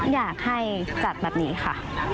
อยากให้จัดแบบนี้ค่ะ